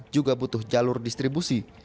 juga butuh jalur distribusi